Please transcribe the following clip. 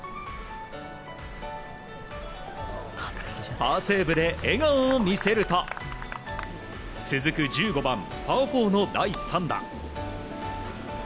パーセーブで笑顔を見せると続く１５番、パー４の第３打。